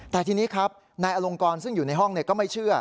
แต่ทีนี้ครับนายอลงกรซึ่งอยู่ในห้องก็ไม่เชื่อ